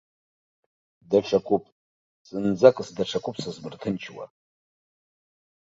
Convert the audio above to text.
Даҽакуп, зынӡаск даҽакуп сызмырҭынчуа.